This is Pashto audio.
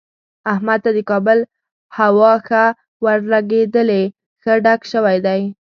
احمد ته د کابل هوا ښه ورلګېدلې، ښه ډک شوی دی.